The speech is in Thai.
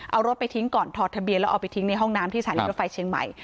เอารถไปทิ้งก่อนถอดทะเบียนแล้วเอาไปทิ้งในห้องน้ำที่สถานีรถไฟเชียงใหม่